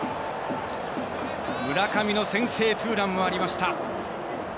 村上の先制ツーランもありました。